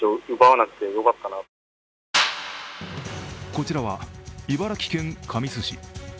こちらは茨城県神栖市。